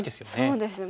そうですね。